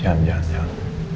jangan jangan jangan